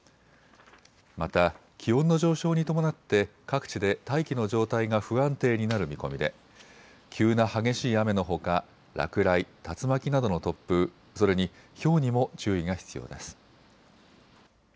また気温の上昇に伴って各地で大気の状態が不安定になる見込みで急な激しい雨のほか落雷、竜巻などの突風それに、ひょうにも注意が必要です。